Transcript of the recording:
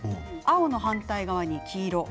青の反対側に黄色。